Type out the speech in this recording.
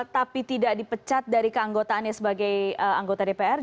tapi tidak dipecat dari keanggotaannya sebagai anggota dpr